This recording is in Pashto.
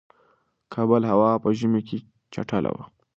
کابل هوا په ژمی کی چټله وی